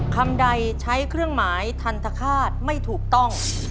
คำใดใช้เครื่องหมายทันทคาตไม่ถูกต้อง